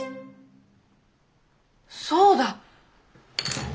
そうだ！